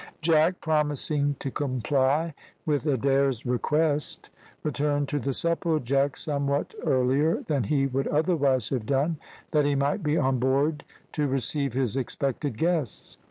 Jack, promising to comply with Adair's request, returned to the Supplejack somewhat earlier than he would otherwise have done, that he might be on board to receive his expected guests.